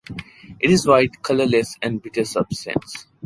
It is a white, colorless and bitter substance.